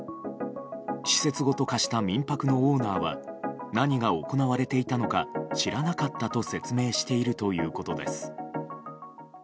施設ごと貸した民泊のオーナーは何が行われていたのか知らなかったと説明しているということです。